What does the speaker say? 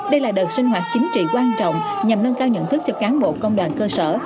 đây là đợt sinh hoạt chính trị quan trọng nhằm nâng cao nhận thức cho cán bộ công đoàn cơ sở